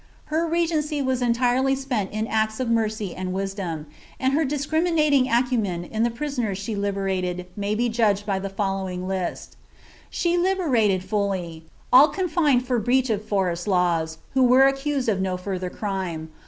Her B^ency was entirely spent in acts of mercy and wisdom, and her dis rimioating acumen in the prisoners she liberated may be judged by the blowing list Sho liberated fully— ^ All confined for breach of forest laws, who accused of no further crime.